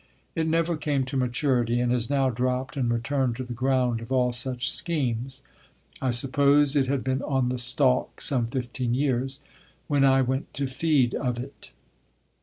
It never came to maturity, and is now dropped and returned to the ground of all such schemes. I suppose it had been on the stalk some fifteen years when I went to feed of it.